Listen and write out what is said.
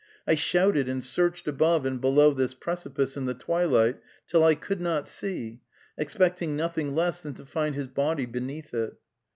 I shouted and searched above and below this precipice in the twilight till I could not see, expecting nothing less than to find his body beneath it.